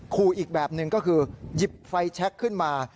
อีกแบบหนึ่งก็คือหยิบไฟแชคขึ้นมา